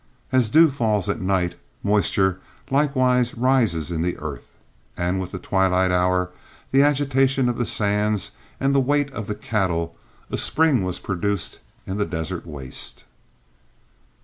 As dew falls at night, moisture likewise rises in the earth, and with the twilight hour, the agitation of the sands, and the weight of the cattle, a spring was produced in the desert waste.